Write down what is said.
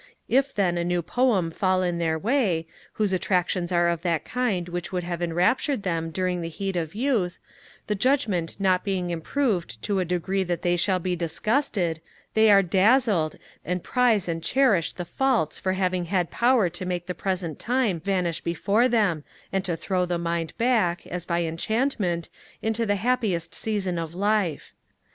If, then, a new poem fall in their way, whose attractions are of that kind which would have enraptured them during the heat of youth, the judgement not being improved to a degree that they shall be disgusted, they are dazzled, and prize and cherish the faults for having had power to make the present time vanish before them, and to throw the mind back, as by enchantment, into the happiest season of life.